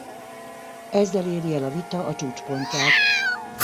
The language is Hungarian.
Ezzel éri el a vita a csúcspontját.